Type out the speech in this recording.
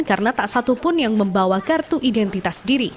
karena tak satupun yang membawa kartu identitas diri